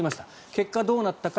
結果、どうなったか。